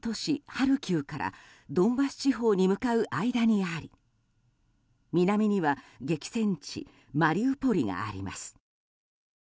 ハルキウからドンバス地方に向かう間にあり南には激戦地マリウポリがあります。